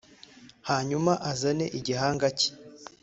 hanyuma uzane igihanga cye